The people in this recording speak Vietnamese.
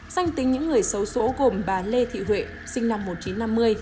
danh tính những người xấu xố gồm bà lê thị huệ sinh năm một nghìn chín trăm năm mươi